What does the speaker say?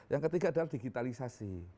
yang ketiga adalah digitalisasi